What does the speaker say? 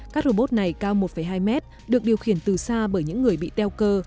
các robot này cao một hai mét được điều khiển từ xa bởi những người bị teo cơ